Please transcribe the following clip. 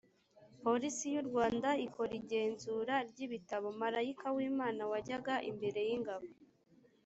polisi y u rwanda ikora igenzura ry ibitabo marayika w imana wajyaga imbere y ingabo